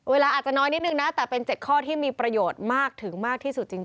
อาจจะน้อยนิดนึงนะแต่เป็น๗ข้อที่มีประโยชน์มากถึงมากที่สุดจริง